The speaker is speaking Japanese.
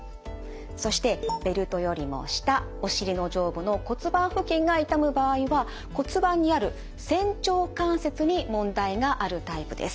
そしてベルトよりも下お尻の上部の骨盤付近が痛む場合は骨盤にある仙腸関節に問題があるタイプです。